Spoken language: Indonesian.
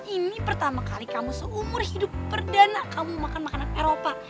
ini pertama kali kamu seumur hidup perdana kamu makan makanan eropa